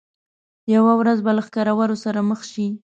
یوه ورځ به له ښکرور سره مخ شي.